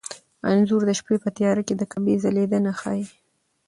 انځور د شپې په تیاره کې د کعبې ځلېدنه ښيي.